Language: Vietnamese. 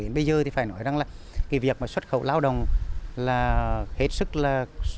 đến bây giờ thì phải nói rằng là cái việc mà xuất khẩu lao động là hết sức là